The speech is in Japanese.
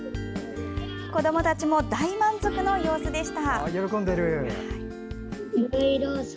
子どもたちも大満足の様子でした。